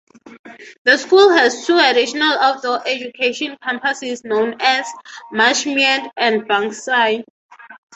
The school has two additional outdoor education campuses known as 'Marshmead' and 'Banksia'.